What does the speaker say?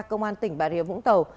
công an tỉnh bà rìa vũng tàu